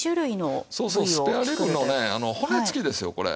そうそうスペアリブのね骨付きですよこれ。